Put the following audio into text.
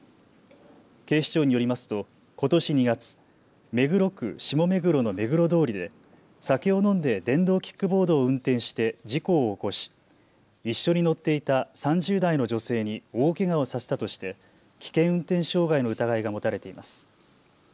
警視庁によりますとことし２月、目黒区下目黒の目黒通りで酒を飲んで電動キックボードを運転して事故を起こし一緒に乗っていた３０代の女性に大けがをさせたとして危険運転傷害の疑いが持たれています。